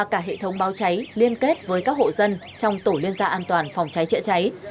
cả hệ thống báo cháy liên kết với các hộ dân trong tổ liên gia an toàn phòng cháy chữa cháy